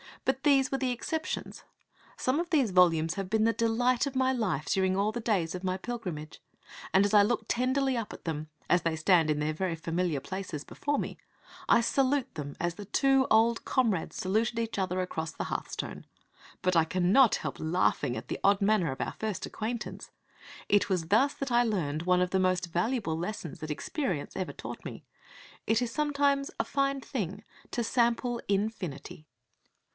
But these were the exceptions. Some of these volumes have been the delight of my life during all the days of my pilgrimage. And as I look tenderly up at them, as they stand in their very familiar places before me, I salute them as the two old comrades saluted each other across the hearthstone. But I cannot help laughing at the odd manner of our first acquaintance. It was thus that I learned one of the most valuable lessons that experience ever taught me. It is sometimes a fine thing to sample infinity.